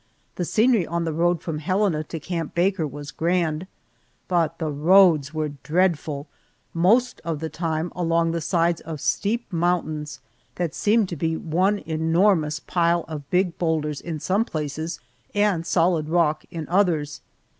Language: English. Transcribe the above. The scenery on the road from Helena to Camp Baker was grand, but the roads were dreadful, most of the time along the sides of steep mountains that seemed to be one enormous pile of big boulders in some places and solid rock in others.